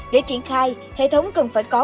để triển khai hệ thống cần phải có